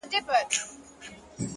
که څه کم و که بالابود و ستا په نوم و-